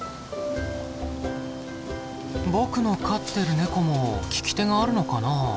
僕の飼ってるネコも利き手があるのかな？